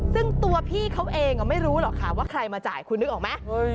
ซึ่งตัวพี่เขาเองไม่รู้หรอกค่ะว่าใครมาจ่ายคุณนึกออกไหม